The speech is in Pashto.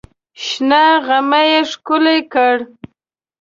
شنه غمی یې ښکل کړ.